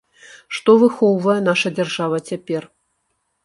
Што выхоўвае наша дзяржава цяпер?